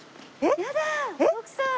やだ徳さん！